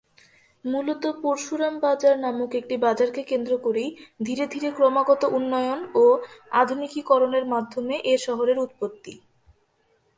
মূলত পরশুরাম বাজার নামক একটি বাজারকে কেন্দ্র করেই ধীরে ধীরে ক্রমাগত উন্নয়ন ও আধুনিকীকরণের মাধ্যমে এ শহরের উৎপত্তি।